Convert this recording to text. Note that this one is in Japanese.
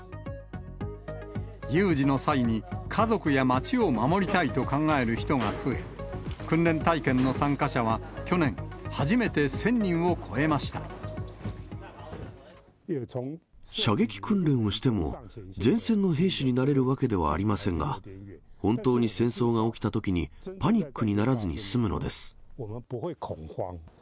有事の際に、家族や街を守りたいと考える人が増え、訓練体験の参加者は去年、射撃訓練をしても、前線の兵士になれるわけではありませんが、本当に戦争が起きたときにパニックにならずに済むのです。